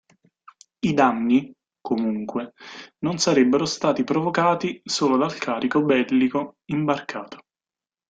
I danni, comunque, non sarebbero stati provocati solo dal carico bellico imbarcato.